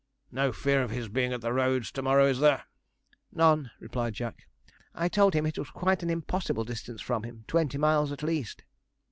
'No fear of his being at the roads to morrow, is there?' 'None,' replied Jack. 'I told him it was quite an impossible distance from him, twenty miles at least.'